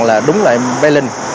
là đúng là em bé linh